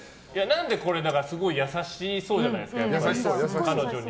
すごい優しそうじゃないですか彼女に。